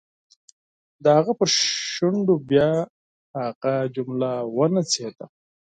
د هغه پر شونډو بیا هغه جمله ونڅېده.